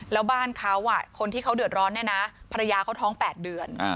แล้วบ้านเขาคนที่เขาเดือดร้อนเนี่ยนะภรรยาเขาท้อง๘เดือน